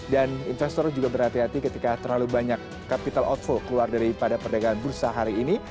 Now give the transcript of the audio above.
dan investor juga berhati hati ketika terlalu banyak capital outflow keluar dari pada perdagangan bursa hari ini